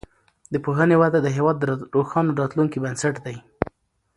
د پوهنې وده د هیواد د روښانه راتلونکي بنسټ دی.